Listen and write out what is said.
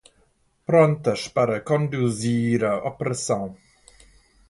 Prontas para conduzir a operação!